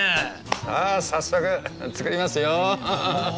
さあ早速作りますよ。